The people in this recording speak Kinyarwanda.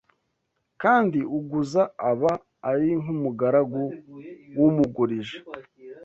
Kandi uguza aba ari nk’umugaragu w’umugurije